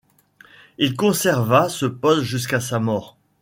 Il conserva ce poste jusqu'à sa mort.